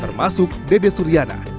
termasuk dede suryana